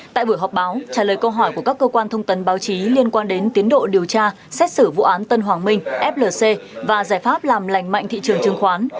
tại buổi họp báo trả lời câu hỏi của các cơ quan thông tấn báo chí liên quan đến tiến độ điều tra xét xử vụ án tân hoàng minh flc và giải pháp làm lành mạnh thị trường chứng khoán